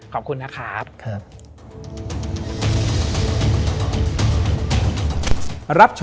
ขอบคุณนะครับ